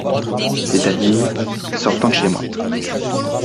C'est-à-dire sortant de chez moi.